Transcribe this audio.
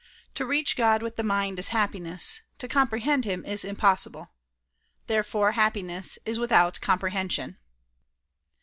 ]): "To reach God with the mind is happiness, to comprehend Him is impossible." Therefore happiness is without comprehension.